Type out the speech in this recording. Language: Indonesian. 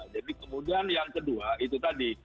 jadi kemudian yang kedua itu tadi